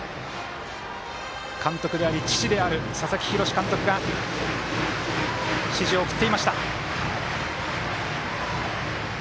監督であり父である佐々木洋監督が指示を送っていました。